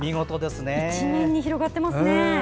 一面に広がっていますね。